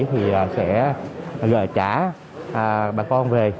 thì sẽ trả bà con về